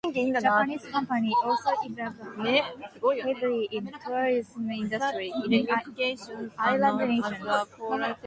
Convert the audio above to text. Japanese companies also invested heavily in the tourism industry in the island nations.